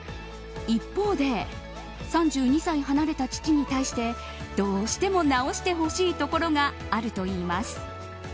一方で３２歳離れた父に対してどうしても直してほしいところがあるといいます。